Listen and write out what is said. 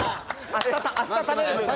明日食べる分ね。